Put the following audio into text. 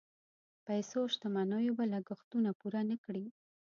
پیسو او شتمنیو به لګښتونه پوره نه کړي.